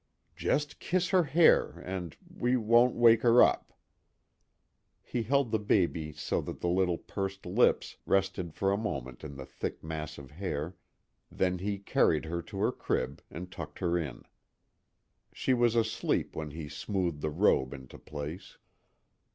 "Just kiss her hair and we won't wake her up." He held the baby so that the little pursed lips rested for a moment in the thick mass of hair, then he carried her to her crib and tucked her in. She was asleep when he smoothed the robe into place.